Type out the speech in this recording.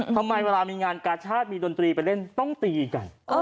ทำไมเวลามีงานกาชาติมีดนตรีไปเล่นต้องตีกัน